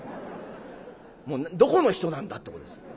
もうどこの人なんだっていうことです。